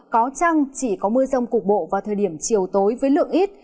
có trăng chỉ có mưa rông cục bộ vào thời điểm chiều tối với lượng ít